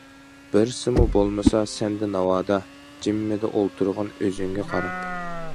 بىرسىمۇ بولمىسا سەندە ناۋادا، جىممىدە ئولتۇرغىن ئۆزۈڭگە قاراپ.